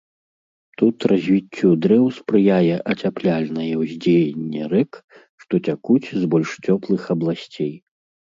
Тут развіццю дрэў спрыяе ацяпляльнае ўздзеянне рэк, што цякуць з больш цёплых абласцей.